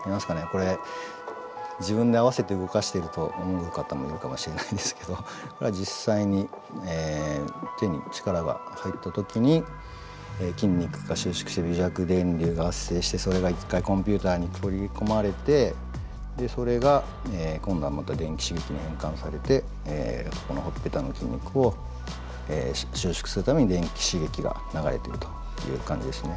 これ自分で合わせて動かしていると思う方もいるかもしれないんですけどこれは実際に手に力が入った時に筋肉が収縮して微弱電流が発生してそれが一回コンピューターに取り込まれてそれが今度はまた電気刺激に変換されてこのほっぺたの筋肉を収縮するために電気刺激が流れているという感じですね。